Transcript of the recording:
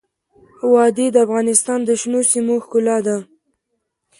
وادي د افغانستان د شنو سیمو ښکلا ده.